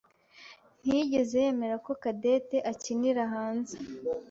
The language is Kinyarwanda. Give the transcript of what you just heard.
ntiyigeze yemera ko Cadette akinira hanze.